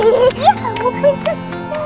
ya ibu prinses